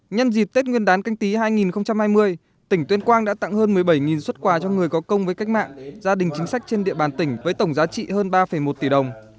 nhân dịp tết nguyên đán canh tí hai nghìn hai mươi tỉnh tuyên quang đã tặng hơn một mươi bảy xuất quà cho người có công với cách mạng gia đình chính sách trên địa bàn tỉnh với tổng giá trị hơn ba một tỷ đồng